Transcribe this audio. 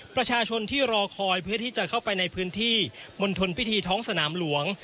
ประชาชนที่รอคอยเพื่อที่จะเข้าไปในพื้นที่มณฑลพิธีท้องสนามหลวง